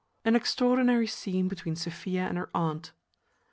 An extraordinary scene between Sophia and her aunt.